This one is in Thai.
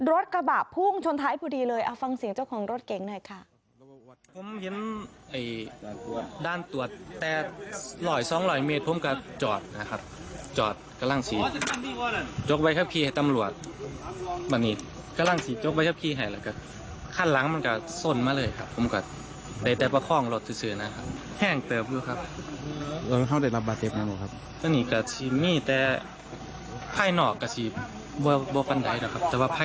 รถกระบะพุ่งชนท้ายพอดีเลยฟังเสียงเจ้าของรถเก๋งหน่อยค่ะ